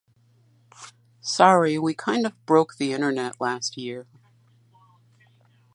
Sorry we kind of broke the internet last year.